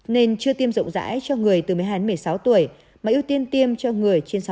nền chưa tiêm rộng rãi cho người từ một mươi hai đến một mươi sáu tuổi mà ưu tiên tiêm cho người trên sáu mươi năm tuổi